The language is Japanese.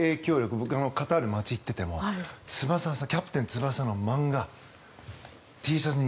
僕、カタールの街にいても「キャプテン翼」の漫画Ｔシャツ